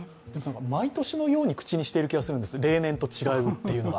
毎年のように口にしている気がしているんです、例年と違うというのが。